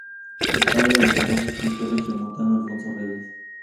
Fue padre del famoso escritor regiomontano Alfonso Reyes.